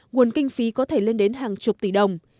nguồn kinh phí có thể lên đến hàng chục tỷ đồng